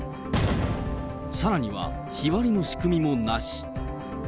さらには日割りの仕組みもなし。